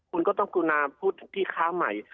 คุณก็ต้องกลัวนานพูดที่ค้าใหม่